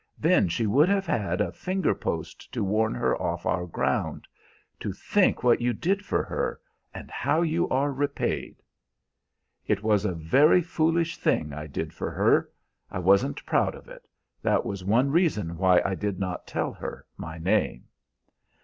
Then she would have had a fingerpost to warn her off our ground. To think what you did for her, and how you are repaid!" "It was a very foolish thing I did for her; I wasn't proud of it. That was one reason why I did not tell her my name." Mr.